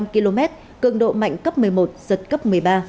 năm km cường độ mạnh cấp một mươi một giật cấp một mươi ba